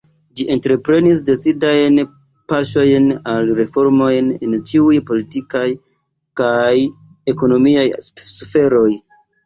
Ĝi entreprenis decidajn paŝojn al reformoj en ĉiuj politikaj kaj ekonomiaj sferoj.